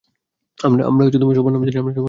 আমরা সবার নাম জানি না।